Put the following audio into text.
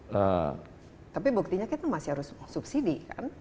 nah tapi buktinya kita masih harus subsidi kan